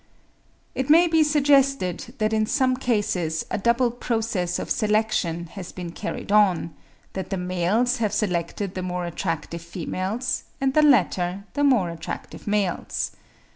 It may be suggested that in some cases a double process of selection has been carried on; that the males have selected the more attractive females, and the latter the more attractive males.